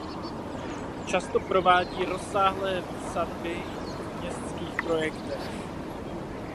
Často provádí rozsáhlé výsadby v městských projektech.